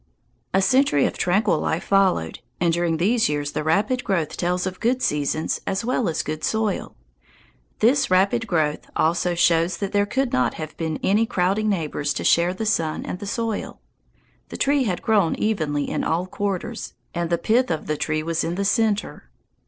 A century of tranquil life followed, and during these years the rapid growth tells of good seasons as well as good soil. This rapid growth also shows that there could not have been any crowding neighbors to share the sun and the soil. The tree had grown evenly in all quarters, and the pith of the tree was in the centre.